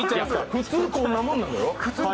普通、こんなもんなのよ。